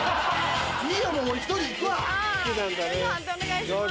判定お願いします。